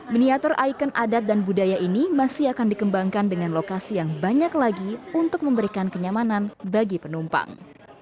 miniatur ikon adat dan budaya ini masih akan dikembangkan dengan lokasi yang banyak lagi untuk memberikan kenyamanan bagi penumpang